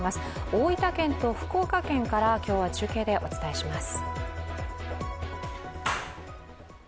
大分県と福岡県から今日は中継でお伝えします。